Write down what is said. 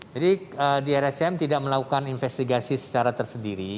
jadi di rscm tidak melakukan investigasi secara tersendiri